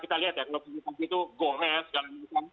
kita lihat ya kalau penghutang itu gores segala macam